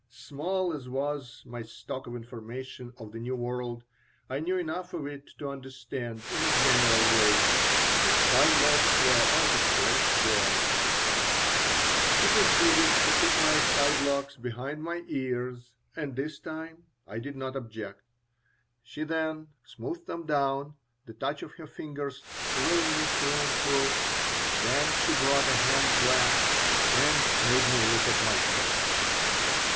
Small as was my stock of information of the New World, I knew enough of it to understand, in a general way, that side locks were out of place there She proceeded to put my side locks behind my ears, and this time I did not object. She then smoothed them down, the touch of her fingers thrilling me through and through. Then she brought a hand glass and made me look at myself.